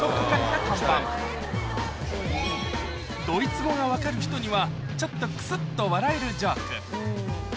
ドイツ語が分かる人にはちょっとクスっと笑えるジョーク